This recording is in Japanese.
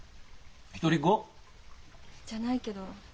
一人っ子？じゃないけど。